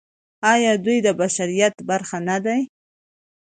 آیا دوی د بشریت برخه نه دي؟